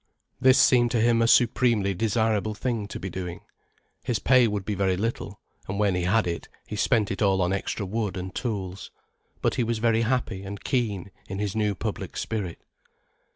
This seemed to him a supremely desirable thing to be doing. His pay would be very little—and when he had it, he spent it all on extra wood and tools. But he was very happy and keen in his new public spirit.